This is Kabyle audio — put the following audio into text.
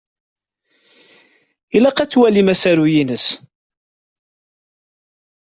Ilaq ad twalim asaru-ines.